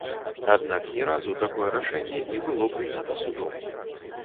Аднак ні разу такое рашэнне не было прынята судом.